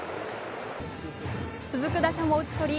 続く打者も打ち取り、